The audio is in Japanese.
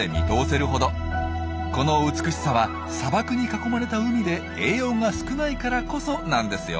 この美しさは砂漠に囲まれた海で栄養が少ないからこそなんですよ。